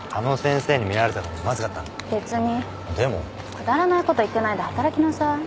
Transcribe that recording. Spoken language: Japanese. くだらないこと言ってないで働きなさい。